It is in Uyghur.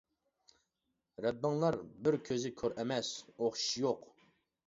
رەببىڭلار بىر كۆزى كور ئەمەس، ئوخشىشى يوق.